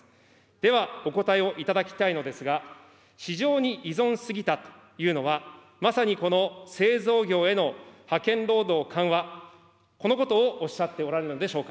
では、お答えをいただきたいのですが、市場に依存し過ぎたというのは、まさにこの製造業への派遣労働緩和、このことをおっしゃっておられるのでしょうか。